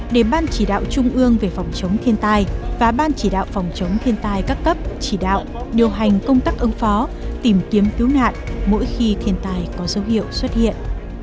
để ban chỉ đạo trung ương về phòng chống thiên tai và ban chỉ đạo phòng chống thiên tai các cấp chỉ đạo điều hành công tác ứng phó tìm kiếm cứu nạn mỗi khi thiên tai có dấu hiệu xuất hiện